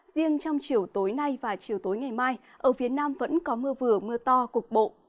riêng trong chiều tối nay và chiều tối ngày mai ở phía nam vẫn có mưa vừa mưa to cục bộ